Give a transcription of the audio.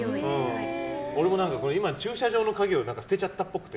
俺も今、駐車場の鍵を捨てちゃったっぽくて。